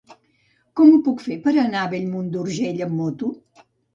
Com ho puc fer per anar a Bellmunt d'Urgell amb moto?